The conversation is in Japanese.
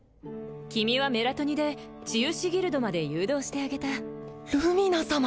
君はメラトニで治癒士ギルドまで誘導してあげたルミナ様！